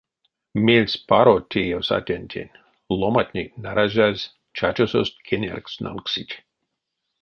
Мельспаро теевсь атянтень: ломантне наряжазь, чачосост кеняркст налксить.